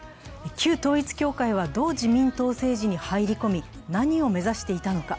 旧統一教会は、どう自民党政治に入り込み何を目指していたのか。